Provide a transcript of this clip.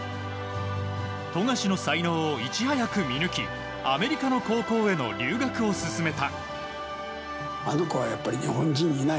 富樫の才能をいち早く見抜きアメリカの高校への留学を勧めた。